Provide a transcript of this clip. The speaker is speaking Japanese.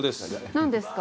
何ですか？